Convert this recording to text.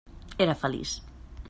Era feliç.